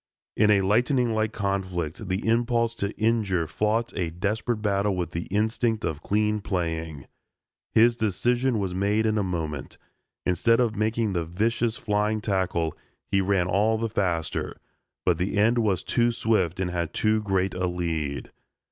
In a lightning like conflict, the impulse to injure fought a desperate battle with the instinct of clean playing. His decision was made in a moment. Instead of making the vicious flying tackle, he ran all the faster, but the end was too swift and had too great a lead.